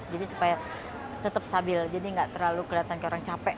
jadi supaya tetap stabil jadi enggak terlalu kelihatan kayak orang capek